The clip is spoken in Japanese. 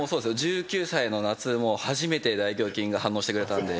１９歳の夏初めて大胸筋が反応してくれたんでうれしくて。